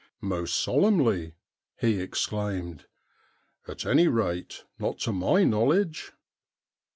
' Most solemnly,' he exclaimed ;' at any rate not to my knowledge.'